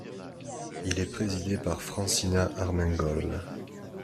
Il est présidé par Francina Armengol.